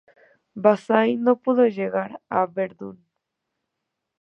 Bazaine no pudo llegar a Verdún.